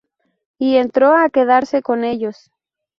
Y entró a quedarse con ellos.